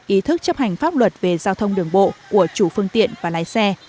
ý thức chấp hành pháp luật về giao thông đường bộ của chủ phương tiện và lái xe